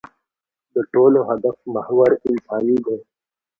د ټولو د هدف محور انساني دی.